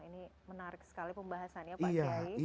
ini menarik sekali pembahasannya pak kiai